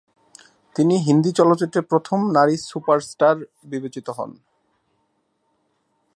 তিনি হিন্দি চলচ্চিত্রে প্রথম নারী সুপারস্টার বিবেচিত হন।